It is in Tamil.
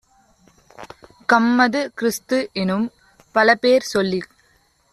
கம்மது, கிறிஸ்து-எனும் பலபேர் சொல்லிச்